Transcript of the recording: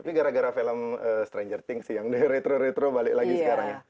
tapi gara gara film stranger thing sih yang dari retro retro balik lagi sekarang ya